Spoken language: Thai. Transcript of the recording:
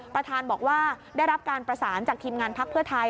ประธานบอกว่าได้รับการประสานจากทีมงานพักเพื่อไทย